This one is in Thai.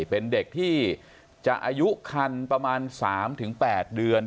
เป็นเด็กที่จะอายุคันประมาณ๓๘เดือน